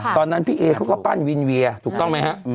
ตอนนั้นพี่เอเขาก็ปั้นวินเวียถูกต้องไหมฮะ